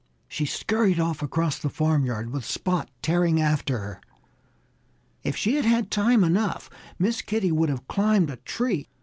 She scurried off across the farmyard, with Spot tearing after her. If she had had time enough Miss Kitty would have climbed a tree.